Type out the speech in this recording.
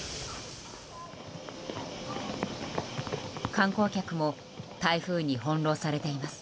観光客も台風に翻弄されています。